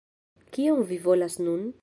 Kion vi volas nun?